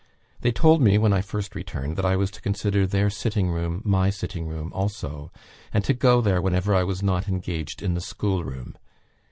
They told me, when I first returned, that I was to consider their sitting room my sitting room also, and to go there whenever I was not engaged in the schoolroom.